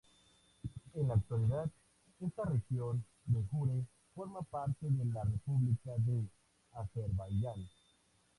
En la actualidad, esta región de jure forma parte de la república de Azerbaiyán.